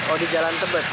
oh di jalan tebet